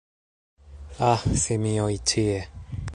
Ah simioj ĉie